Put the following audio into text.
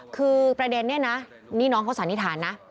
คือประเด็นนี้นะนี่น้องเขาสันนิษฐานนะ